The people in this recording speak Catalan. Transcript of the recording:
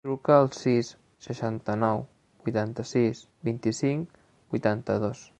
Truca al sis, seixanta-nou, vuitanta-sis, vint-i-cinc, vuitanta-dos.